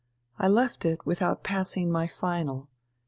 I left it without passing my 'final.'